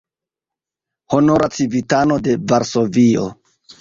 Honora civitano de Varsovio.